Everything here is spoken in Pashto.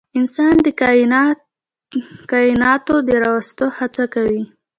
انسان د کایناتو د راوستو هڅه کوي.